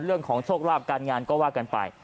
เรื่องของโชคลาภการงานก็ว่ากันไป